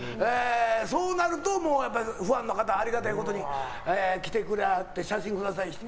そうなると、ファンの方ありがたいことに来てくれはって写真くださいって。